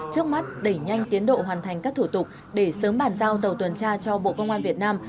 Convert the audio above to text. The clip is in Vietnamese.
trước mắt đẩy nhanh tiến độ hoàn thành các thủ tục để sớm bàn giao tàu tuần tra cho bộ công an việt nam